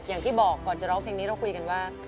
อย่างที่บอกก่อนจะร้องเพลงนี้เราคุยกันว่า